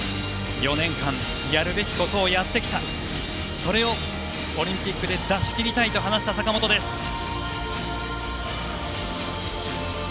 ４年間やるべきことをやってきたそれをオリンピックで出しきりたいと話した坂本です。